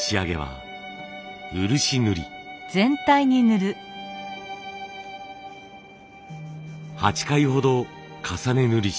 ８回ほど重ね塗りします。